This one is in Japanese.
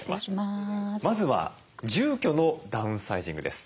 まずは住居のダウンサイジングです。